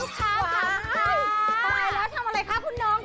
ตายแล้วทำอะไรคะคุณน้อง